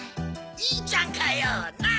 いいじゃんかよなぁ？